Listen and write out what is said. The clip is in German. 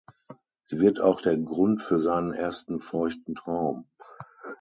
Sie wird auch der Grund für seinen ersten feuchten Traum.